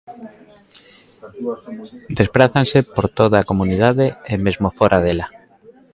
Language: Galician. Desprázanse por toda a comunidade e mesmo fóra dela.